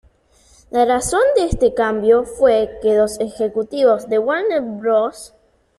La razón de este cambio fue que los ejecutivos de Warner Bros.